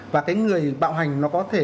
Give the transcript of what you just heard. và cái người bạo hành nó có thể